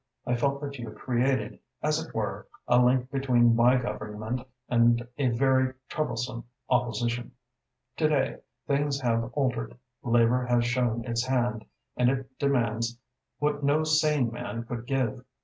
I felt that you created, as it were, a link between my Government and a very troublesome Opposition. To day things have altered. Labour has shown its hand and it demands what no sane man could give.